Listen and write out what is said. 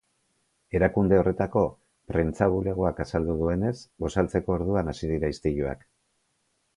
Erakunde horretako prentsa-bulegoak azaldu duenez, gosaltzeko orduan hasi dira istiluak.